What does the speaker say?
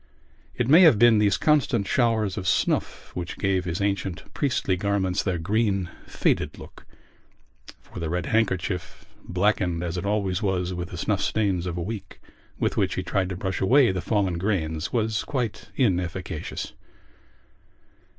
It may have been these constant showers of snuff which gave his ancient priestly garments their green faded look for the red handkerchief, blackened, as it always was, with the snuff stains of a week, with which he tried to brush away the fallen grains, was quite inefficacious.